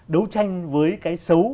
đấu tranh với cái xấu